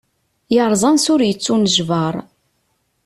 Yerreẓ ansi ur yettunejbar.